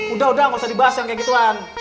udah udah gak usah dibahas yang kayak gituan